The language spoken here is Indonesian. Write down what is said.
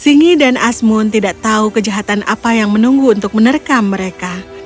singi dan asmun tidak tahu kejahatan apa yang menunggu untuk menerkam mereka